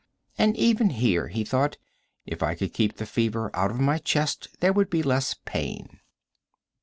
And even here, he thought, if I could keep the fever out of my chest there would be less pain.